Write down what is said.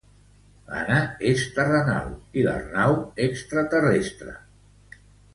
L'Anna és terrenal i l'Arnau extraterrestre.